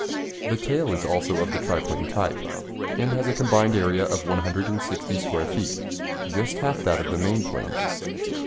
The tail is also of the triplane type, and has a combined area of 160 square feet just half that of the main planes.